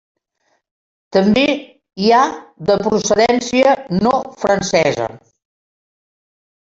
També hi ha de procedència no francesa.